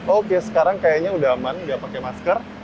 oke sekarang kayaknya udah aman nggak pakai masker